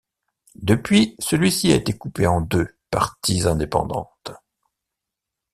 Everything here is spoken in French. Depuis, celui-ci a été coupé en deux parties indépendantes.